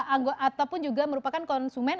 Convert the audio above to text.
anggota ataupun juga merupakan konsumen